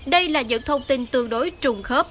đây là những thông tin tương đối trùng khớp